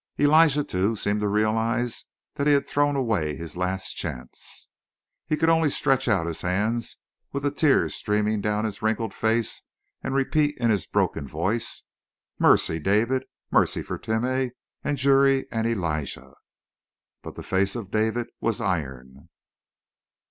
Elijah, too, seemed to realize that he had thrown away his last chance. He could only stretch out his hands with the tears streaming down his wrinkled face and repeat in his broken voice: "Mercy, David, mercy for Timeh and Juri and Elijah!" But the face of David was iron.